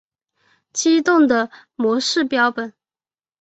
激龙的模式标本。